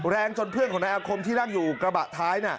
แรงจนเพื่อนของนายอาคมที่นั่งอยู่กระบะท้าย